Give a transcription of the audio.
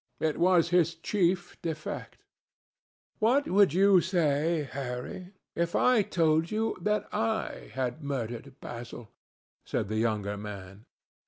It was his chief defect." "What would you say, Harry, if I told you that I had murdered Basil?" said the younger man.